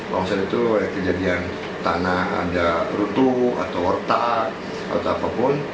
longsor itu kejadian tanah ada rutu atau orta atau apapun